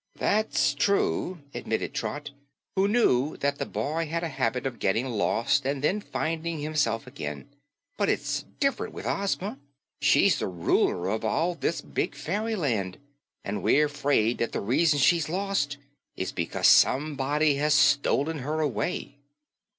"That's true," admitted Trot, who knew that the boy had a habit of getting lost and then finding himself again, "but it's diff'rent with Ozma. She's the Ruler of all this big fairyland, and we're 'fraid that the reason she's lost is because somebody has stolen her away."